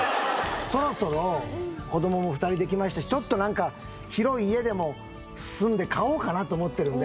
そろそろ子供も２人できましたしちょっとなんか広い家でも住んで買おうかなと思ってるんで。